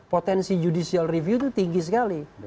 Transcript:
potensi judicial review itu tinggi sekali